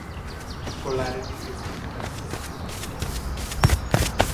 Polarity is inconsistent.